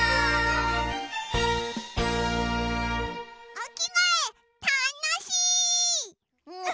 おきがえたのしい！